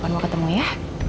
kapan mau ketemu ya